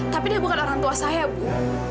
tapi dia bukan orang tua saya bu